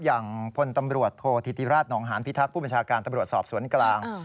อย่างพลตำรวจโทษธิติราชนองหานพิทักษ์ผู้บัญชาการตำรวจสอบสวนกลาง